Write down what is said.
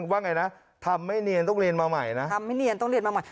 ว่าไงนะทำไม่เนียนต้องเรียนมาใหม่นะทำไม่เนียนต้องเรียนมาใหม่